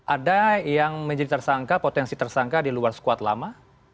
ada yang menjadi tersangka potensi tersangka di luar squad lama